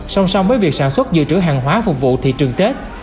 song song với việc sản xuất dự trữ hàng hóa phục vụ thị trường tết